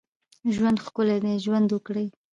ژوند ښکلی دی ، ژوند وکړئ